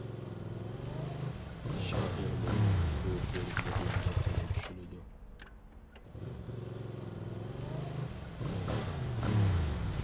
شائىرمۇ بۇ بىر مۇھىم نۇقتىنى چۈشىنىدۇ.